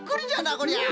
こりゃ。